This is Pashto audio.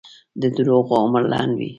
د دروغو عمر لنډ وي.